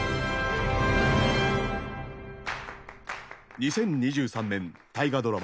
２０２３年大河ドラマ